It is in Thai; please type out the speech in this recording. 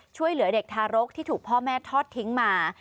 ช่วยเหลือเด็กทารกที่ถูกพ่อแม่ทอดทิ้งมา